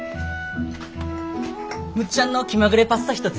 むっちゃんの気まぐれパスタ１つ。